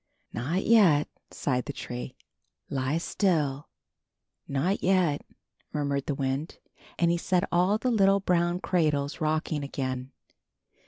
''Not yet," sighed the tree. "Lie still." "Not yet," murmured the wind, and he set all the little brown cradles rocking again.